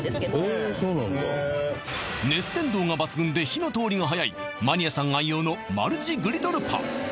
へえ熱伝導が抜群で火の通りがはやいマニアさん愛用のマルチグリドルパン